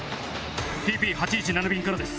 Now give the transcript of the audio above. ＴＰ８１７便からです。